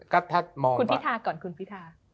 คุณพี่ทาก่อนคุณพี่ทา